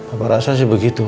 apa rasa sih begitu